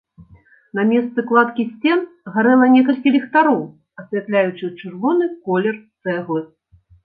На месцы кладкі сцен гарэла некалькі ліхтароў, асвятляючы чырвоны колер цэглы.